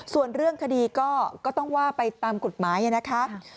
ส่วนเรื่องคดีก็ต้องว่าไปตามกฎหมายนะคะ